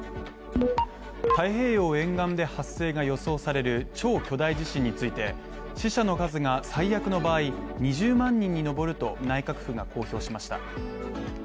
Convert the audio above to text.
太平洋沿岸で発生が予想される超巨大地震について、死者の数が最悪の場合、２０万人に上ると内閣府が公表しました。